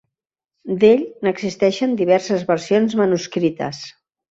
D'ell n’existeixen diverses versions manuscrites.